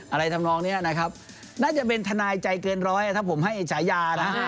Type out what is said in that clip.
ทำนองนี้นะครับน่าจะเป็นทนายใจเกินร้อยถ้าผมให้ฉายานะ